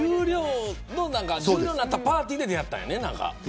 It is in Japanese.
十両になったパーティーで出会ったんよね、何か。